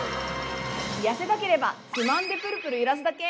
◆痩せたければ、つまんでぷるぷる揺らすだけ！